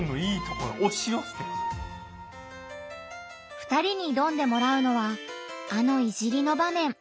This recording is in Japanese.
２人に挑んでもらうのはあの「いじり」の場面。